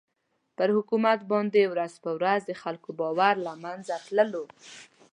پر حکومت باندې ورځ په ورځ د خلکو باور له مېنځه تللو.